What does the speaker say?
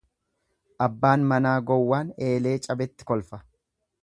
Abbaan manaa gowwaan eelee cabetti kolfa.